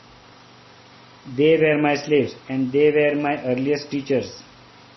They were my slaves; and they were my earliest teachers.